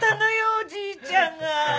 おじいちゃんが。